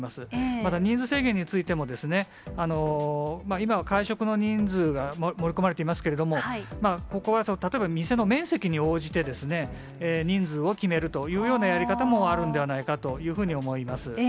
また、人数制限についても、今は会食の人数が盛り込まれていますけれども、ここは例えば、店の面積に応じて人数を決めるというようなやり方もあるんではないかというふうに思います。